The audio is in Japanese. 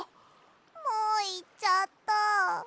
もういっちゃった。